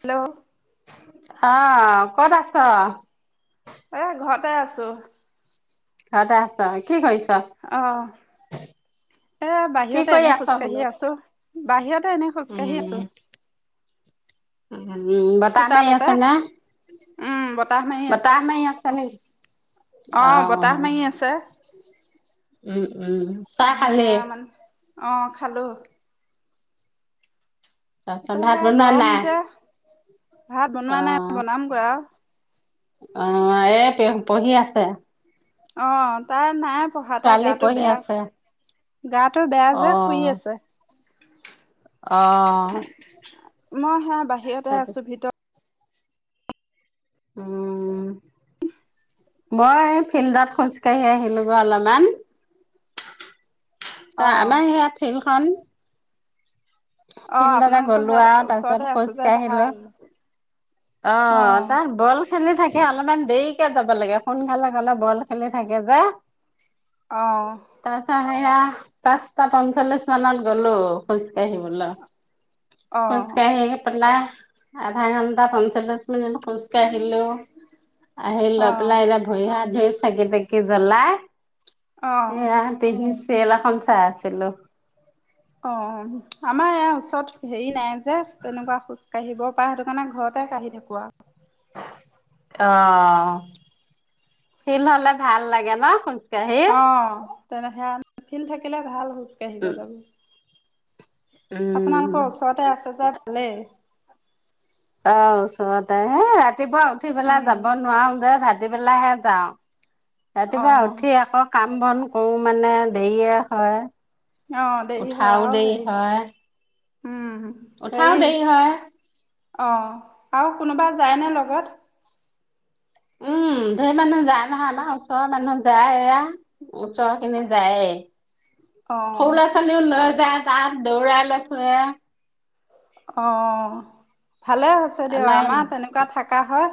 Hello, অ', ক'ত আছ? এই ঘৰতে আছোঁ। ঘৰতে আছ, কি কৰিছ? অ', এ কি বাহিৰতে কৰি এনেই আছ খোজ বোলো? কাঢ়ি আছোঁ, বাহিৰতে এনে খোজকাঢ়ি আছোঁ। উম্, বতাহ মাৰি চোতালতে আছে নে! উম বতাহ মাৰি আছে বতাহ মাৰি আছে নেকি? অ', বতাহ মাৰি আছে, উম, উম, চাহ খালি? ধুনীয়া মানে অ', খালোঁ। তই তাৰপৰা ভাত সে বনোৱা গৰম নাই, যে ভাত বনোৱা অ'। নাই বনামগৈ আৰু অ', এ পঢ়ি আছে। অ', তাই নাই পঢ়া, তাই ছোৱালী গাটো পঢ়ি বেয়া। আছে। গাটো বেয়া যে, শুই অ', আছে। অ', মই সেয়া বাহিৰতে তাৰপিছ আছোঁ, ভিতৰত উম্, মই এই ফিল্ডত খোজ কাঢ়ি আহিলোঁ গৈ অলপমান। ত, অ আমাৰ সেইয়া ফিল্ডখন। অ', ফিল্ডতে আপোনালোকৰ গ'লো আৰু সেইয়াত তাৰপিছত ওচৰতে আছে যে, খোজকাঢ়িলো। ভাল। অ', তাৰ বল খেলি থাকে, অলপমান দেৰিকে যাব লাগে। সোনকালে গ'লে বল খেলি থাকে যে। অ', তাৰ পাছত সেইয়া, পাঁচটা পঞ্চল্লিশ মানত গ'লো। খোজ কাঢ়িবলৈ, অ অ খোজকাঢ়ি পেলাই আধা ঘন্টা পঞ্চ মিনিট খোজ কাঢ়িলো, আহি অ লৈ পেলাই এতিয়া অ ভৰি-হাত ধুই চাকি-তাকি জ্বলাই, সেইয়া। টিভিত চিৰিয়েল এখন চাই আছিলোঁ। অ', আমাৰ এইয়া ওচৰত হেৰি নাই যে, তেনেকুৱা খোজ কাঢ়িব তাৰপা, সেইটো কাৰণে ঘৰতে কাঢ়ি থাকোঁ আৰু। অ', শিল হ'লে ভাল লাগে ন', খোজকাঢ়ি। অ', তেনে হেয়া শিল থাকিলে ভাল, খোজ কাঢ়িব যাব। উম্, আপোনালোকৰ ওচৰতে আছে যে, ভালেই। অ' ওচৰতে, হেই ৰাতিপুৱা উঠি পেলাই যাব উম নোৱাৰোঁ যে, ভাতিবেলাহে যাওঁ, অ ৰাতিপুৱা উঠি আকৌ কাম বন কৰোঁ মানে দেৰিয়ে হয়। অ দেৰি হয় উঠাও আৰু দেৰি হেৰি হয়। উম উঠাও হেৰি দেৰি হয়। অ' আৰু কোনোবা যায়নে লগত? উম ধেৰ মানুহ যায় নহয় আমাৰ ওচৰৰ মানুহ যায় এয়া। ওচৰখিনি যায় এ অ সৰু ল'ৰা-ছোৱালীও লৈ যায় তাত দৌৰাই লৈ ফুৰে। অ' অ' অ' ভালে হৈছে দিয়ক। আমাৰ তেনেকুৱা থাকা হয়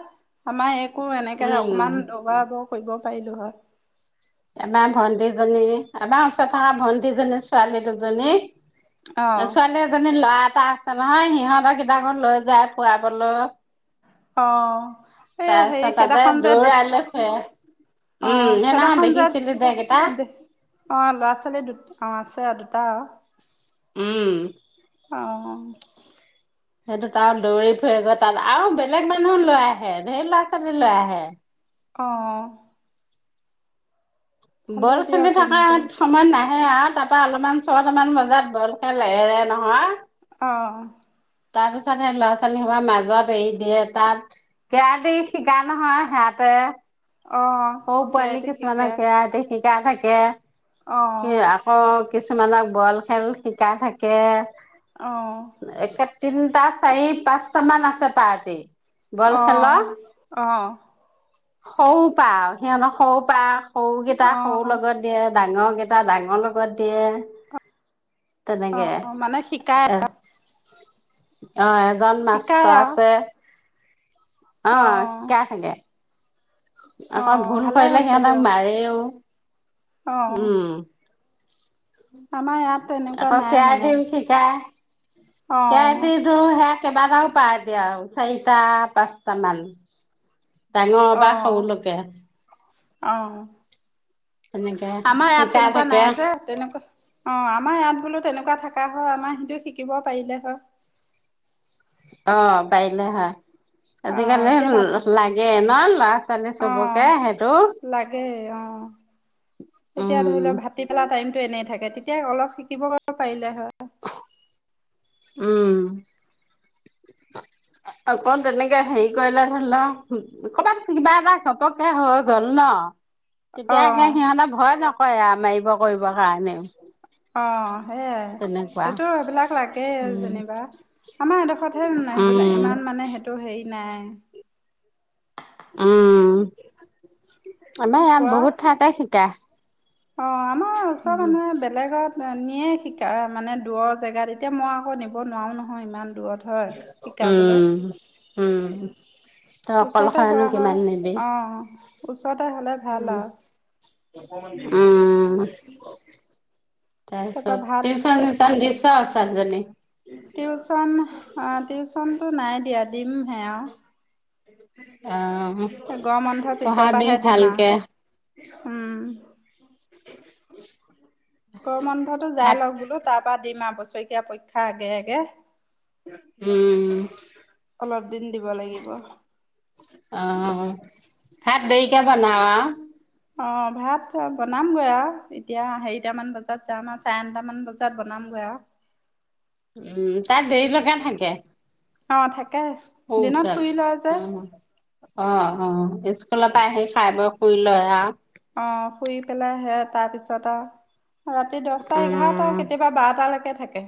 আমাৰ এইক ময়ো এনেকে উম। অকমান দৌৰাব কৰিব পাৰিলো হয় আমাৰ ভন্টিজনী আমাৰ ওচৰত থকা ভন্টিজনী ছোৱালী দুজনী অ ছোৱালী এজনী ল'ৰা এটা আছে নহয় সিহঁতৰ গিতাকো লৈ যায় ফুৰাবলৈ। অ' এইয়া হেৰি তাৰপিছত তাতে সেদিনাখন যে দৌৰালৈ ফুৰে দেখি অ উম সেইদিনাখন সেদিনাখন যে দেখিছিলো এইকেইটা দেখি অ' ল'ৰা-ছোৱালী দু অ' আছে অ দুটা আৰু উম। অ' অ' সেইটো তাৰ দৌৰি ফুৰে গৈ তাত আৰু বেলেগ মানুহো লৈ আহে। ধেৰ ল'ৰা-ছোৱালী লৈ আহে। অ' অ' অ' ভালে বৰ দিয়ক খেলি থকা। তেনেকে সময়ত নাহে আৰু তাৰপৰা অলপমান ছটামান বজাত বল খেলে নহয়! অঁ তাৰপিছত সেই ল'ৰা-ছোৱালী সোপাৰ মাজত এৰি দিয়ে তাত কেৰাতি শিকা নহয় সিহঁতে অ সৰু পোৱালি কেৰাটে কিছুমানে শিকাই কেৰাতি শিক শিকাই থাকে। অ কি আকৌ কিছুমানক বল খেল শিকাই থাকে। অ একে তিনটা চাৰি পাঁচটা মান আছে পাৰ্টি। বল খেলৰ অ' অ' সৰু পা, সিহঁতক সৰু পা সৰুকেইটা অ সৰু লগত। দিয়ে ডাঙৰ কেইটা ডাঙৰ লগত দিয়ে। অ তেনেকে মানে শিকাই এ আছা অ এজন মাষ্ট শিকাই আৰু আছে। অ' শিকাই থাকে। অ আকৌ ভুল ভালে কৰিলে হৈছে সিহঁতক দিয়ক মাৰেও। অ উম আমাৰ ইয়াত তেনেকুৱা আকৌ নাই মানে কেৰাতি শিকাই। অ কেৰাতি টোওঁ হেক কেইবাটাও পাৰ দিয়া আৰু চাৰিটা পাঁচটা মান ডাঙৰৰ অ পা সৰু লৈকে। অ তেনেকে আমাৰ ইয়াত শিকাই তেনেকুৱা নাই থাকে। যে তেনেকুৱা অ আমাৰ ইয়াত বুলো তেনেকুৱা থাকা হয়। আমাৰ সিটো শিকিব পাৰিলে অ' পাৰলে হয়। অ আজিকালি এতিয়া ভাতি লাগে ন' ল'ৰা-ছোৱালী অ চবকে সেইটো? লাগে অ উম ভাতিবেলা টাইমটো এনে থাকে। তেতিয়া অলপ শিকিব পাৰিলে হয়। উম অকন তেনেকে হেৰি কৰিলে ধৰি ল' ক'বাত কিবা এটা ঘপকে হৈ গ'ল ন? অ তেতিয়াে সিহঁতে ভয়ত নকৰে আউ মাইব কইব কাৰণেও। অ সেইয়াই, তেনেকুৱা সেইটো এইবিলাক লাগেই উম যেনিবা। আমাৰ এডোখৰ ঠাইত সেইবিলাক উম ইমান মানে সেইটো হেৰি নাই। উম, আমাৰ ইয়াত বহুত শিকোৱা ঠাইতে শিকাই। অ' আমাৰ ওচৰৰ মানুহে বেলেগত নিয়ে শিকা মানে দূৰ জেগাত এতিয়া মই আকৌ নিব নোৱাৰো নহয় ইমান দূৰত হয় শিকাবলৈ উম, উম তই ওচৰতে হোৱা অকলশৰেনো হয় কিমান নিবি। অ' ওচৰতে হ'লে ভাল আৰ উম, তাৰপৰা তাৰপিছত ভাত টিউচন-চিউচন দিছ ছোৱালীজনীক? টিউচন আ টিউচনটো নাই দিয়া দিম সে আৰু। [unintelligible] এ গৰম বন্ধ পিছৰ পঢ়াবি পৰাহে দিম আ ভালকে উম। [inaudible] গৰম বন্ধতো যাই ভাত লওক বোলো তাৰপা দিম আ বছৰেকীয়া পৰীক্ষা আগে, আগে। উম, অলপ দিন দিব লাগিব। অ'ভাত দেৰিকে বনাও আওঁ? অ' ভাত- ছাত বনামগৈ আৰু এতিয়া হেৰিটামান বজাত যাম আ চাৰে নটামান বজাত বনামগে আৰু। উম, তাত দেৰিলৈকে থাকে। অ' থাকে। [unintelligible] দিনত শুই লয় যে অ' অ' স্কুলৰ পৰা আহি খাই বৈ শুই লয় আহ। অ' শুই পেলাই সে তাৰ পিছত অ' ৰাতি দছটা, এঘাৰটা উম, কেতিয়াবা বাৰটালৈকে থাকে।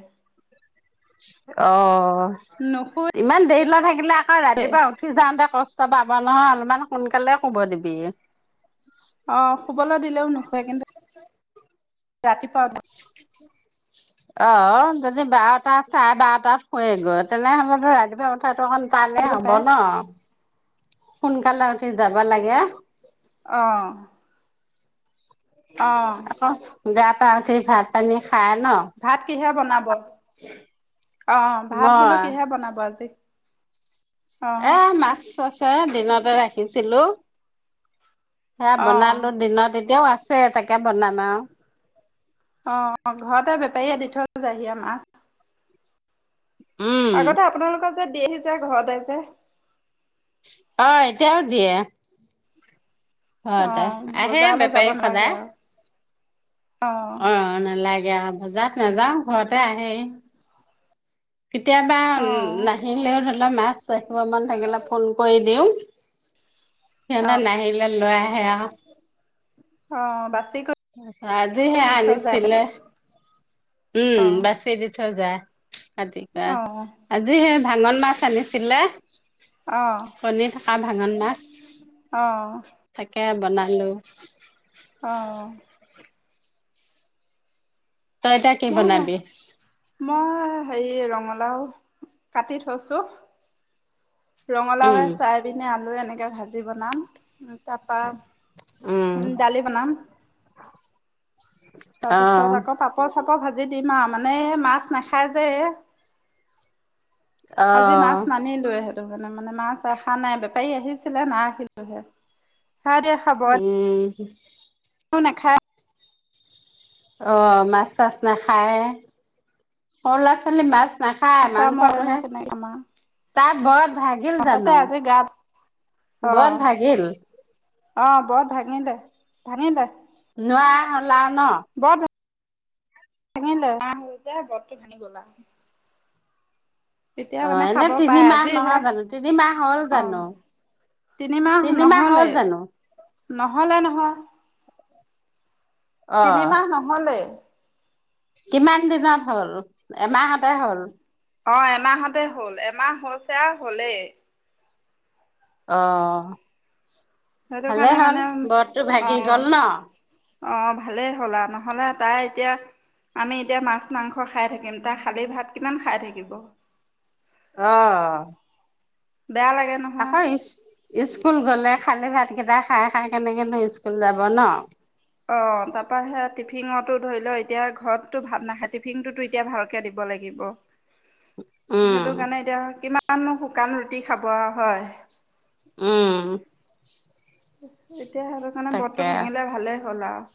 অ' নুশুৱে ইমান দেৰিলৈ থাকিলে আকৌ ৰাতিপুৱা উঠ উঠি যাওঁতে কষ্ট পাব নহয় অলপমান সোনকালে শুব দিবি। অ' শুবলৈ দিলেও নুশুৱে কিন্তু ৰাতিপুৱা উ [inaudible] অ', যদি বাৰটা, চাৰে বাৰটাত শুৱেগৈ তেনেহলেটো ৰাতিপুৱা উথাটো অকন টানে উঠিব হ'ব পাৰে ন, সোনকালে উঠি যাবা লাগে। অ', আকৌ গা-পা ধুুই ভাত-পানী খাই ন' ভাত কিহে বনাব অ' ভাত বোলো মই কিহে বনাব আজি? অঁ এ মাছ আছে দিনতে ৰাখিছিলোঁ সেয়া অঁ বনালোঁ দিনত এতিয়াও আছে তাকে বনাম আৰু। অ' ঘৰতে বেপাৰীয়ে দি থৈ যায়হি আমাৰ। উম, আগতে আপোনালোকৰ যে দি আহি যায় ঘৰতে যে। অ'এতিয়াও দিয়ে। ঘৰতে অ' আহেয়ে বজাৰলৈ যাব বেপাৰী নালাগে সদায়। আৰু অ' নালাগে আৰু বজাৰত নাযাও ঘৰতে আহেই। কেতিয়াবা অ' নাহিলেও ধৰি লওক মাছ ৰাখিব মান থাকিলে ফোন কৰি দিওঁ। সিহতে অ' নাহিলে লৈ আহে আও। অ' বাছ অ' আজি হে আনিছিলে। উম, অ' বাছি দি থৈ যায় কাটিকে। অ' আজি সে ভাঙন মাছ আনিছিলে। অ', কণী থাকা ভাঙন মাছ। অ', তাকে বনালোঁ। অঁ। [inaudible] তই এতিয়া কি মই বনাবি? মই হেৰি ৰঙলাও কাটি থৈছো। ৰঙলাওয়ে, উম চয়াবিনে, আলুৱে এনেকে ভাজি বনাম। উম তাৰপৰা দালি বনাম। [inaudible] অহ তাৰপিছত আকৌ পাপৰ চাপৰ ভাজি দিম আও, মানে এই মাছ নাখায় যে এই। আজি অহ মাছ নানিলো হে সেটোকাৰণে মানে মাছ ৰখা নাই বেপাৰী আহিছিলে নাৰাখিলোহে খায় দিয়া। উম। তো নেখায় অ মাছ চাছ নেখায় সৰু ছোৱালী মাছ নেখায় আছা মইনো মাংসটোহে, কেনেকে খাম আও। তাই বৰত ভাগিল হঠাতে জানো? আজি গাত অ বৰত ভাগিল? অ', বৰত ভাঙিলে, ভাঙিলে। নোৱাৰা হল আও ন? বৰত ভাঙিলে এমাহ হৈছে বৰটো ভাঙি গল আও। তেতিয়া অ মানে এনে খাব পাই, তিনিমাহ আজিহে নহয় জানো তিনিমাহ হ'ল অঁ। জানো তিনিমাহ হ'ল নহলে, জানো নহলে নহয়। অ। তিনিমাহ নহলে কিমান দিনত হ'ল? এমাহতে হ'ল? অ এমাহতে হ'ল, এমাহ হৈছে আও হলেই। অ সেইটো কাৰণে ভালেই হ'ল! মানে বৰতটো ভাগি গ'ল অ ন? অ ভালেই হ'ল আও, নহলে তাই এতিয়া আমি এতিয়া মাছ মাংস খায় থাকিম, তাই খালী ভাত কিমান খায় থাকিব! অ। বেয়া লাগে ন! আকৌ ইছ স্কুল গলে খালী ভাত কেইটা খায় খায় কেনেকেনো স্কুল যাব ন। অ তাৰপৰা সে টিফিনটো ধৰি ল এতিয়া ঘৰতো ভাত নাখায় টিফিনটো ই এতিয়া ভালকে দিব লাগিব। উম সেইটো কাৰণে এতিয়া কিমাননো শুকান ৰুটি খাব আও হয়। উম। এতিয়া সেইটোকাৰণে বটটো তাকে ভাঙিলে ভালেই হ'ল আও।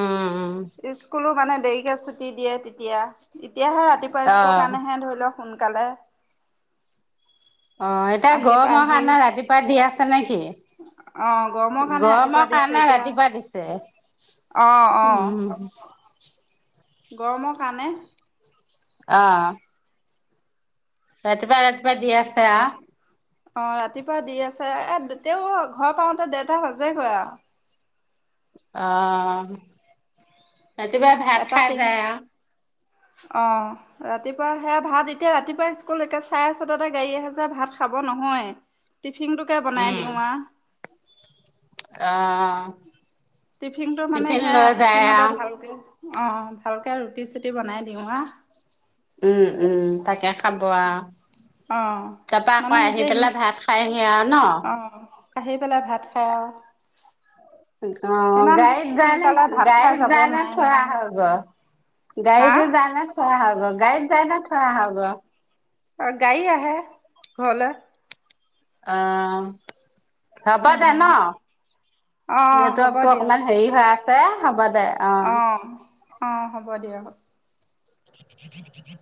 উম উম স্কুলো মানে দেৰিকে ছুটি দিয়ে তেতিয়া। এতিয়াহে ৰাতিপুৱা অ স্কুল কাৰণেহে ধৰি ল সোনকালে। অঁ এতিয়া আহি গৰমৰ পাহি কাৰণে ৰাতিপুৱা দি আছে নেকি? অ' গৰমৰ কাৰণে ৰাতিপুৱা গৰমৰ দিছে কাৰণে এতিয়া ৰাতিপুৱা অ' দিছে। অ'। উম। গৰমৰ কাৰণে। অ। ৰাতিপুৱা ৰাতিপুৱা দি আছে আহ। অঁ ৰাতিপুৱা দি আছে, এ তেওঁ ঘৰ পাওঁতে ডেৰটা বাজে গৈ আও। অহ। ৰাতিপুৱা ভাত এটা খাই তেইশ যায় আও। অঁ। ৰাতিপুৱা সে ভাত এতিয়া ৰাতিপুৱা স্কুল একে চাই চতাতে গাড়ী আহে যে ভাত খাব নহয়। টিফিন টোকে বনাই দিওঁ আ। আঁ- টিফিনটো মানে সেয়া টিফিনতে আও। ভালকে অঁ ভালকে ৰুটি চুটি বনাই দিওঁ আঁ। উম উম' তাকে খাব আ। অ তাপা আকৌ মানে আহি এতিয়া পেলাই ভাত খাইহি আৰু ন। অ আহি পেলাই ভাত খাই অঁ। অঁ গাড়ীত যায় নে সোনকালে ভাত খাই গাড়ীত যাব যায় নে নোৱাৰে থই নহয় আহা গে? হা গাড়ীতে যায় নে থই আহা গৈ গাড়ী যায় নে থই আহা গৈ? অ' গাড়ী আহে ঘৰলে। অঁ' হ'ব দে ন, অঁ অঁ হ'ব নেটৱৰ্কটো দিয়ক অকমান হেৰি হৈ আছে হ'ব দে। অ'। অঁ অঁ হ'ব দিয়ক। [unintelligible]